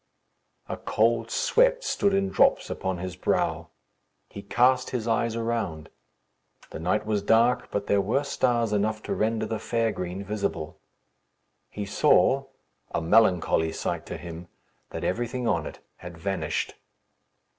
A cold sweat stood in drops upon his brow. He cast his eyes around. The night was dark; but there were stars enough to render the fair green visible. He saw a melancholy sight to him that everything on it had vanished.